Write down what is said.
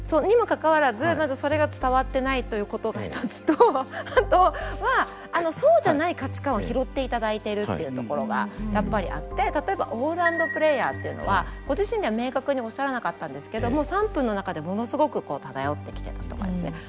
にもかかわらずまずそれが伝わってないということが一つとあとはそうじゃない価値観を拾っていただいてるっていうところがやっぱりあって例えばオールラウンドプレーヤーっていうのはご自身では明確におっしゃらなかったんですけども３分の中でものすごく漂ってきてたとかですね。